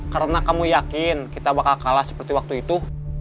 karena kamu yakin kita bakal kalah seperti waktu itu